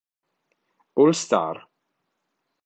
All Star